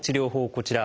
こちら。